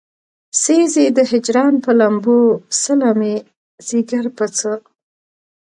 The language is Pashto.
سيزې د هجران پۀ لمبو څله مې ځيګر پۀ څۀ